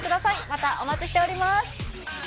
またお待ちしております。